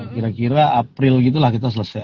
kira kira april gitu lah kita selesai